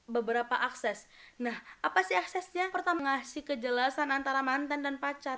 beberapa akses nah apa sih aksesnya yang pertama ngasih kejelasan antara mantan dan pacar